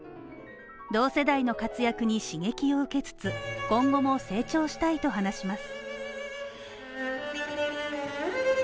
同世代の活躍に刺激を受けつつ、今後も成長したいと話します。